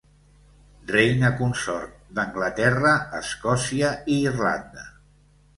Reina consort d'Anglaterra, Escòcia i Irlanda.